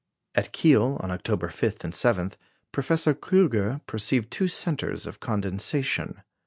At Kiel, on October 5 and 7, Professor Krüger perceived two centres of condensation.